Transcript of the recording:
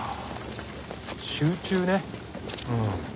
集中ねうん。